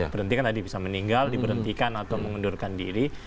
berhenti kan tadi bisa meninggal diberhentikan atau mengundurkan diri